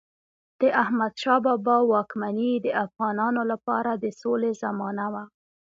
د احمدشاه بابا واکمني د افغانانو لپاره د سولې زمانه وه.